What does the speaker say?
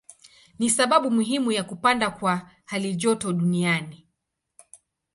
Ni sababu muhimu ya kupanda kwa halijoto duniani.